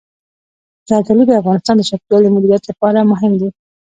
زردالو د افغانستان د چاپیریال د مدیریت لپاره مهم دي.